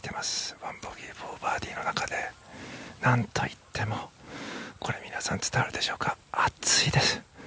１ボギー、ノーバーディーの中でなんといっても皆さん、伝わるでしょうか暑いです。